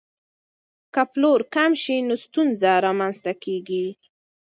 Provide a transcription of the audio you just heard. که پلور کم شي نو ستونزه رامنځته کیږي.